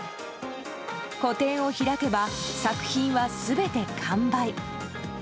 個展を開けば作品は全て完売。